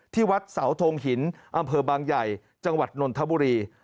ที่วัดเสาทงหินอำเภอบางใหญ่จังหวัดนนทบุรี